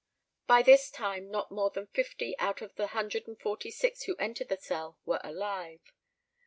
By this time not more than fifty out of the hundred and forty six who entered the cell were alive.